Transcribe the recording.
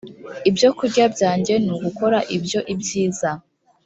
ibyo kurya byanjye ni ugukora ibyo ibyiza